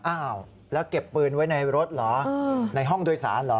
อ้าวแล้วเก็บปืนไว้ในรถเหรอในห้องโดยสารเหรอ